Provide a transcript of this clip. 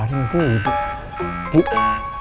aku mau pergi ke rumah